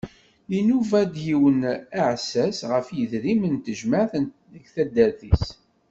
Inuba d yiwen n uɛessas ɣef yedrimen n tejmaɛt deg tadart-is.